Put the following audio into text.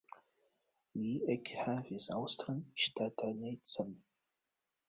Li ekhavis aŭstran ŝtatanecon.